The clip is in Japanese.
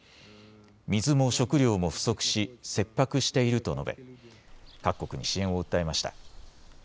水も食料も不足し切迫していると述べ各国に支援を訴えました。